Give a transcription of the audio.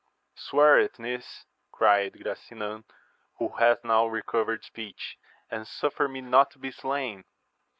Swear it, niece ! cried Gasinan, who had now recovered speech : and suffer me not to be slain